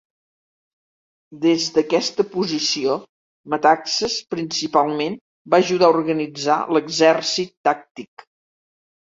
Des d'aquesta posició, Metaxas principalment va ajudar a organitzar l'exèrcit tàctic.